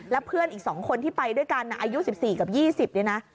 แล้วเพื่อนอีกสองคนที่ไปด้วยกันนะอายุสิบสี่กับยี่สิบเนี่ยนะ